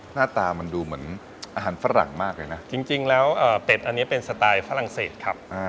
หน้าตามันดูเหมือนอาหารฝรั่งมากเลยนะจริงแล้วเป็ดอันนี้เป็นสไตล์ฝรั่งเศสครับ